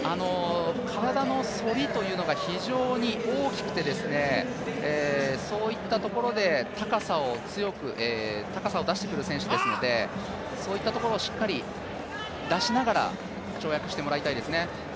体の反りが非常に大きくて、そういったところで高さを強く出してくる選手ですので、そういったところをしっかり出しながら跳躍してもらいたいですね。